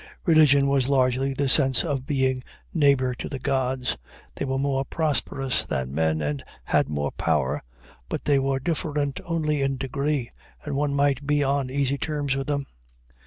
Religion was largely the sense of being neighbor to the gods; they were more prosperous than men and had more power, but they were different only in degree, and one might be on easy terms with them.